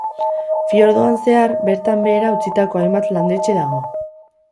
Fiordoan zehar, bertan behera utzitako hainbat landetxe dago.